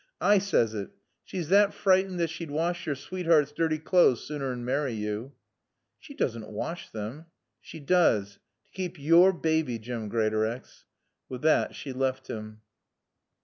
"I saays it. She's thot freetened thot she'd wash yore sweet'eart's dirty cleathes sooner 'n marry yo." "She doesn't wash them?" "Shea does. T' kape yore baaby, Jim Greatorex." With that she left him.